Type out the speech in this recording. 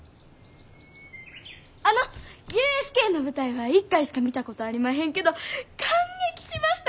あのＵＳＫの舞台は１回しか見たことありまへんけど感激しました！